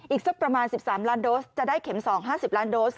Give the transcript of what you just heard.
อีกสักประมาณ๑๓ล้านโดสจะได้เข็ม๒๕๐ล้านโดส